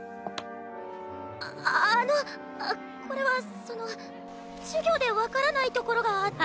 ああのあっこれはその授業で分からないところがあって。